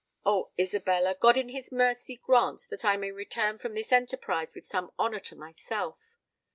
Oh! Isabella, God in his mercy grant that I may return from this enterprise with some honour to myself!